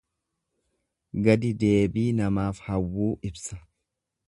Gadi deebii namaaf hawwuu ibsa.